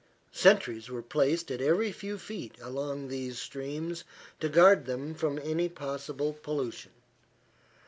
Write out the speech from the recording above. Sentries were placed at every few feet along these streams to guard them from any possible pollution.